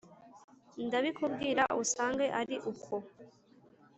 Ndabikubwira usange ari ukwo!